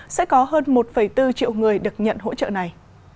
sẽ có hơn một bốn triệu người được nhận hỗ trợ này